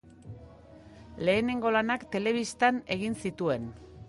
Lehenengo lanak telebistan egin zituen.